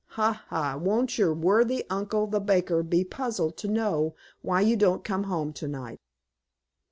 Ha, ha! won't your worthy uncle, the baker, be puzzled to know why you don't come home to night?"